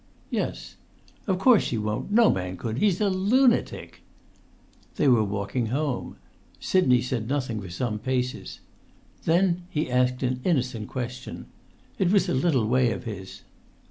"Yes." "Of course he won't. No man could. He's a lunatic." They were walking home. Sidney said nothing for some paces. Then he asked an innocent question. It was a little way of his.